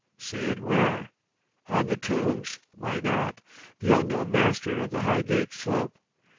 "See it where?" "On the tombs. Why not? The Unknown Master of the Highgate Slope!